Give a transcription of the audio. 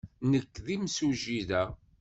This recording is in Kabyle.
Nekk d timsujjit da.